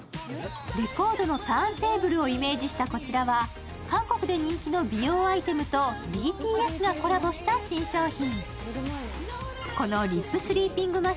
レコードのターンテーブルをイメージしたこちらは、韓国で人気の美容アイテムとＢＴＳがコラボした商品。